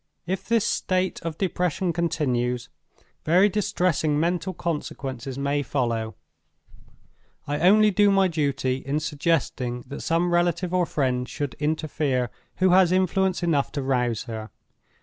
If this state of depression continues, very distressing mental consequences may follow; and I only do my duty in suggesting that some relative or friend should interfere who has influence enough to rouse her.